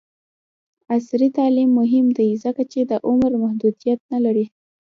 عصري تعلیم مهم دی ځکه چې د عمر محدودیت نه لري.